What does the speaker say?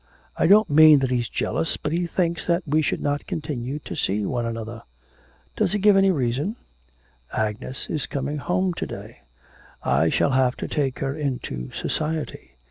'I don't mean that he's jealous, but he thinks that we should not continue to see one another.' 'Does he give any reason?' 'Agnes is coming home to day. I shall have to take her into society.